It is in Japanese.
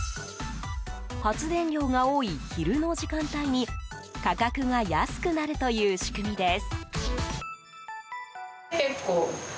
発電量が多い昼の時間帯に価格が安くなるという仕組みです。